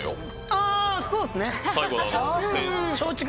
ああそうっすね。